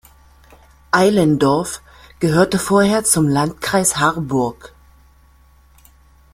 Eilendorf gehörte vorher zum Landkreis Harburg.